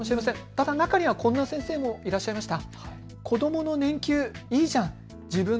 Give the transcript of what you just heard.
ただ、中にはこんな先生もいらっしゃいました。